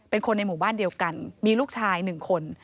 เป็นคนในหมู่บ้านเดียวกันมีลูกชาย๑คน